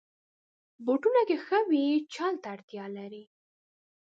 بوټونه که ښوی وي، چل ته اړتیا لري.